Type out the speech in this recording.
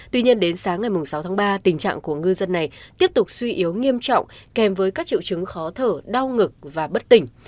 tuy nhiên đến sáng ngày sáu tháng ba tình trạng của ngư dân này tiếp tục suy yếu nghiêm trọng kèm với các triệu chứng khó thở đau ngực và bất tỉnh